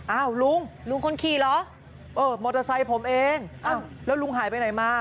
อ้าวลุงมอเตอร์ไซค์ผมเองแล้วลุงหายไปไหนมา